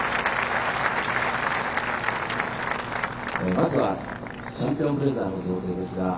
まずはチャンピオンブレザーの贈呈です。